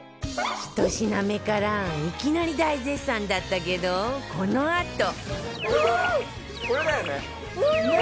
１品目からいきなり大絶賛だったけどこのあと